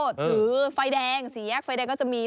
ถือไฟแดงสี่แยกไฟแดงก็จะมี